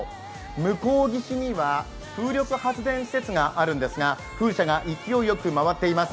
向こう岸には風力発電施設があるんですが風車が勢いよく回っています。